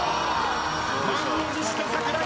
満を持して櫻井翔